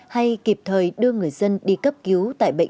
hay kịp thời đưa người dân đi cấp cứu